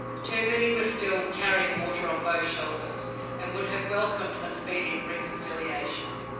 Too many were still "carrying water on both shoulders," and would have welcomed a speedy reconciliation.